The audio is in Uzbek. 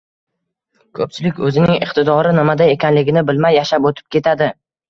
Ko‘pchilik o‘zining iqtidori nimada ekanligini bilmay yashab o‘tib ketadi.